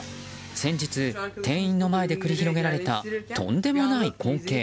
先日、店員の前で繰り広げられたとんでもない光景。